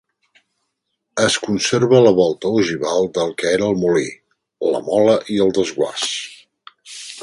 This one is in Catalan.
Es conserva la volta ogival del que era el molí, la mola i el desguàs.